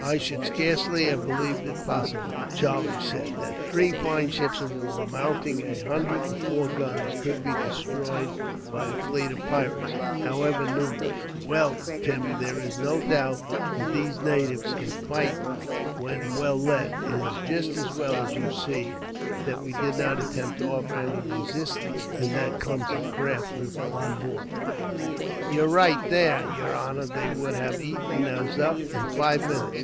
"I should scarcely have believed it possible," Charlie said, "that three fine ships of war, mounting a hundred and four guns, could be destroyed by a fleet of pirates, however numerous. Well, Tim, there is no doubt that these natives can fight, when well led. It is just as well, you see, that we did not attempt to offer any resistance, in that clumsy craft we were on board." "You're right there, yer honor. They would have aten us up in five minutes.